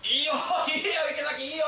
いいよ！